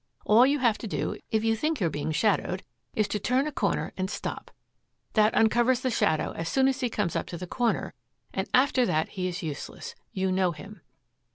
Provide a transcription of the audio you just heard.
All you have to do, if you think you're being shadowed, is to turn a corner and stop. That uncovers the shadow as soon as he comes up to the corner, and after that he is useless. You know him."